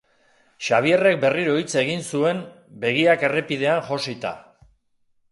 Xabierrek berriro hitz egin zuen, begiak errepidean josita.